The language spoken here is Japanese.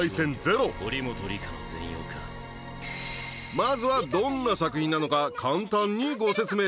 まずはどんな作品なのか簡単にご説明します。